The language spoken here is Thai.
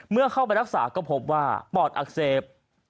เมื่อเข้าไปรักษาก็พบว่าปอดอักเสบ